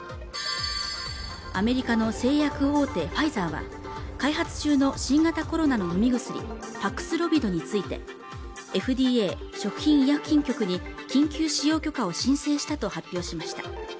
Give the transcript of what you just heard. アメリカの製薬大手ファイザーは、開発中の新型コロナの飲み薬パクスロビドについて、ＦＤＡ＝食品医薬品局に緊急使用許可を申請したと発表しました。